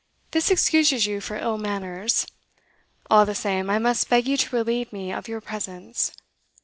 This excuses you for ill manners. All the same, I must beg you to relieve me of your presence.